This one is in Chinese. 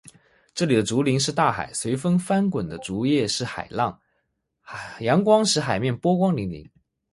这里的竹林是大海，随风翻滚的竹叶是海浪，阳光使“海面”波光粼粼。